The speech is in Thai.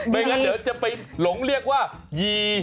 ไม่งั้นเดี๋ยวจะไปหลงเรียกว่ายี